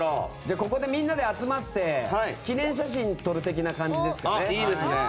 ここでみんなで集まって記念写真を撮る的な感じですかね。